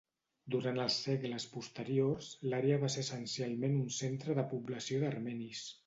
Durant els segles posteriors, l'àrea va ser essencialment un centre de població d'armenis.